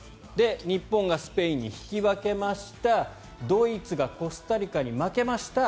日本がスペインに引き分けましたドイツがコスタリカに負けました